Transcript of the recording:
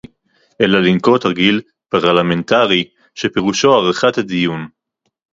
אלא לנקוט תרגיל פרלמנטרי שפירושו הארכת הדיון